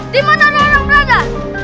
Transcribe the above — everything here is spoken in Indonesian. di mana orang berada